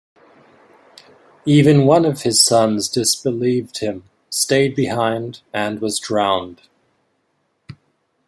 Even one of his sons disbelieved him, stayed behind, and was drowned.